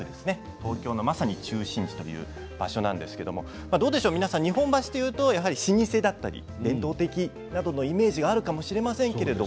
東京のまさに中心地という場所なんですけどどうでしょう皆さん日本橋というとやはり老舗だったり伝統的というイメージがあるかもしれませんけど。